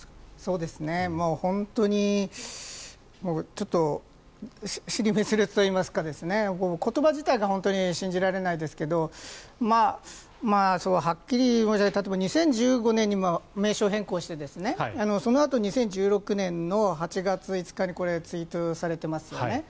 本当に支離滅裂というか言葉自体が本当に信じられないですけどはっきり申し上げると例えば２０１５年に名称変更してそのあと２０１６年の８月５日にツイートされていますよね。